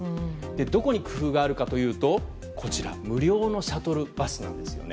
どこに工夫があるかというと無料のシャトルバスなんです。